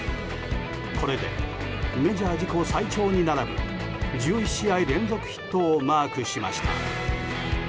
これでメジャー自己最長に並び１１試合連続ヒットをマークしました。